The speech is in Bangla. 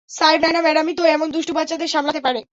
সাহেব, নায়না ম্যাডামই তো এমন দুষ্টু বাচ্চাদের সামলাতে পারে।